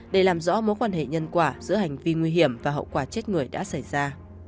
để làm rõ mối quan hệ nhân quả giữa hành vi nguy hiểm và hậu quả chết người đã xảy ra